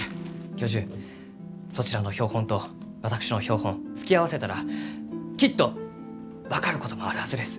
教授そちらの標本と私の標本突き合わせたらきっと分かることもあるはずです。